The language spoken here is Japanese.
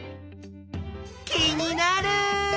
気になる！